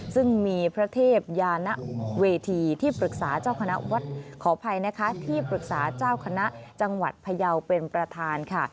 ซึ่งมีพระเทพยานเวทีที่ปรึกษาเจ้าคณะจังหวัดพยาวเป็นประธาน